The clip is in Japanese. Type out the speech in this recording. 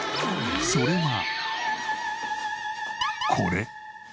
それはこれ。